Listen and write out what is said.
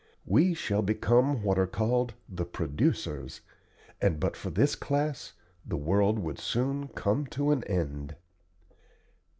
We shall become what are called the 'producers,' and but for this class the world would soon come to an end."